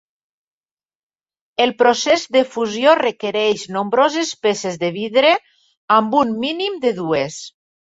El procés de fusió requereix nombroses peces de vidre, amb un mínim de dues.